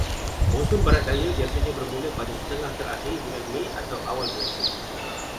Monsun barat daya biasanya bermula pada setengah terakhir bulan Mei atau awal bulan Jun.